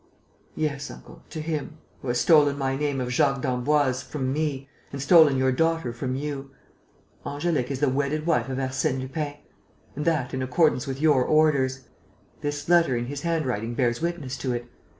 "Yes, uncle, to him, who has stolen my name of Jacques d'Emboise from me and stolen your daughter from you. Angélique is the wedded wife of Arsène Lupin; and that in accordance with your orders. This letter in his handwriting bears witness to it.